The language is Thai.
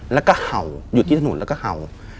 แล้วก็เห่าอยู่ที่ถนนแล้วก็เห่า